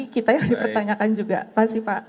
kita yang dipertanyakan juga